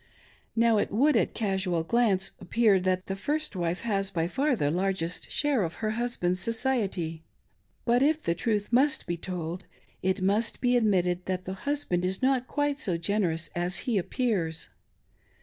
Now, it would at a casual glance appear that this first wife has by far the largest share of her hus band's society; but if the truth must be told, it must be adrftitted that the husband is not quite So generous as he appears.